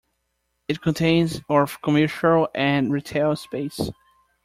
It contains of commercial and retail space.